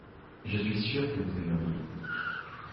Je suis sûr vous aimeriez.